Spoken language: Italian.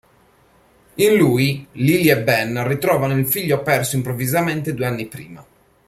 In lui, Lily e Ben ritrovano il figlio perso improvvisamente due anni prima.